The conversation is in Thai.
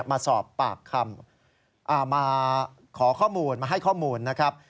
มาสอบปากคำมาขอข้อมูลมาให้ข้อมูลนะครับ